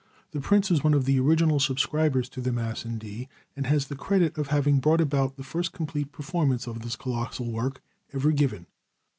The Prince was one of the original subscribers to the Mass in D, and has the credit of having brought about the first complete performance of this colossal work ever given.